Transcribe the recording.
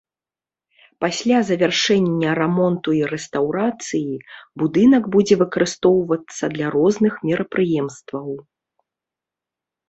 Пасля завяршэння рамонту і рэстаўрацыі, будынак будзе выкарыстоўвацца для розных мерапрыемстваў.